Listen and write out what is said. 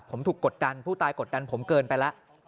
ผมถูกกดดันผู้ตายกดดันผมเกินไปแล้ว